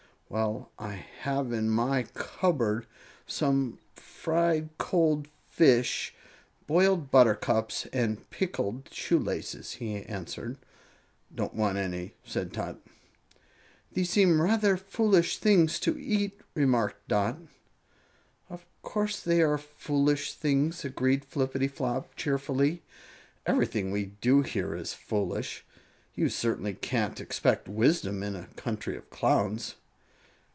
"Well, I have in my cupboard some fried goldfish, boiled buttercups and pickled shoelaces," he answered. "Don't want any," said Tot. "These seem rather foolish things to eat," remarked Dot. "Of course, they are foolish things," agreed Flippityflop, cheerfully. "Everything we do here is foolish. You certainly can't expect wisdom in a country of Clowns."